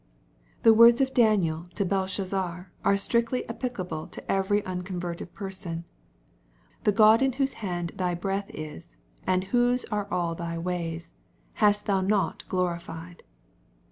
The words of Daniel to Belshazzar, are strictly applicable to every unconverted person :" the God in whose band thy breath is, and whose are all thy ways, hast thou not glorified."